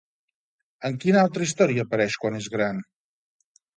En quina altra història apareix quan és gran?